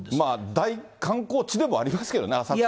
大観光地でもありますけどね、浅草とか。